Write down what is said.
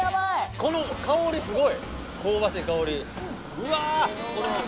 この香りスゴい香ばしい香りうわあ